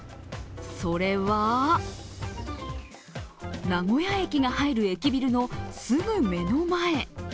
それは名古屋駅が入る駅ビルのすぐ目の前。